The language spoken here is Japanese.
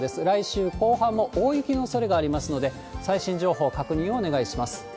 来週後半も大雪のおそれがありますので、最新情報確認をお願いします。